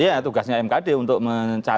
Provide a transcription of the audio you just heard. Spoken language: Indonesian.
iya tugasnya mkd untuk mencari